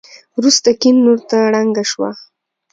وروسته کيڼ لورته ړنګه شوه.